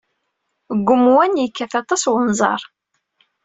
Deg umwan, yekkat aṭas unẓar.